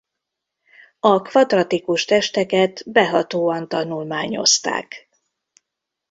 A kvadratikus testeket behatóan tanulmányozták.